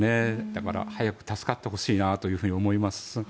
だから早く助かってほしいなと思います。